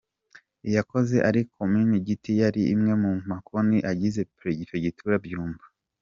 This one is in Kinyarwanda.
Iyahoze ari Komini Giti yari imwe mu makomini agize Prefegitura ya Byumba.